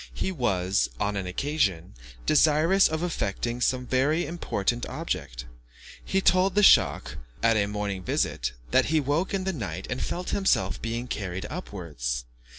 He was, on one occasion, desirous of effecting some very important object. He told the schach, at a morning visit, that he woke in the night and felt himself being carried upwards.